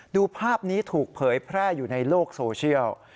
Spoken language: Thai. ดูภาพนี้ถูกเผยแพร่อยู่ในโลกโซเชียล